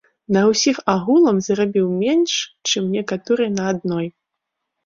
На ўсіх агулам зарабіў менш, чым некаторыя на адной.